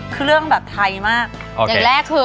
เครื่องแบบไทยมาก